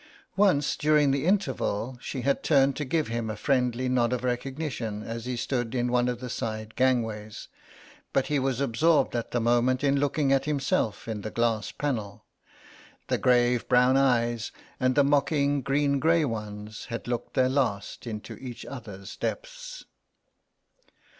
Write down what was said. Once during the interval she had turned to give him a friendly nod of recognition as he stood in one of the side gangways, but he was absorbed at the moment in looking at himself in the glass panel. The grave brown eyes and the mocking green grey ones had looked their last into each other's depths.